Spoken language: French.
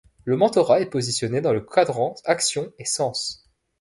Le mentorat est positionné dans le quadrant action et sens.